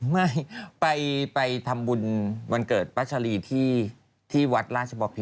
ไม่ไปทำบุญวันเกิดปัชรีที่วัดราชบ็ค